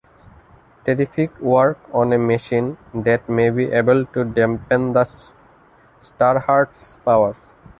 Terrific work on a machine that may be able to dampen the Starheart's power.